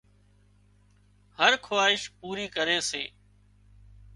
هر خواهش پوري ڪري سي